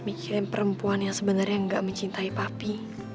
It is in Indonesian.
mikirin perempuan yang sebenarnya nggak mencintai papi